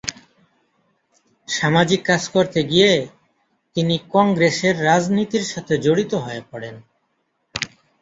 সামাজিক কাজ করতে গিয়ে তিনি কংগ্রেসের রাজনীতির সাথে জড়িত হয়ে পড়েন।